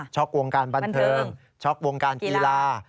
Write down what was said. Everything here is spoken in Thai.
วงการบันเทิงช็อกวงการกีฬา